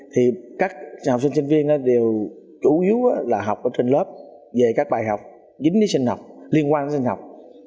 thì các học sinh sinh viên đều chủ yếu là học ở trên lớp về các bài học dính lý sinh học liên quan đến sinh học